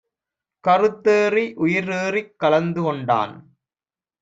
கருத்தேறி உயிர்ஏறிக் கலந்துகொண்டான்!